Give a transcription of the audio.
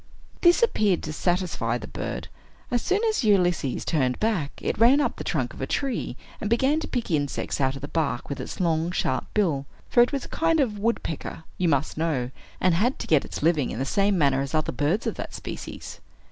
This appeared to satisfy the bird. As soon as Ulysses turned back, it ran up the trunk of a tree, and began to pick insects out of the bark with its long, sharp bill; for it was a kind of woodpecker, you must know, and had to get its living in the same manner as other birds of that species.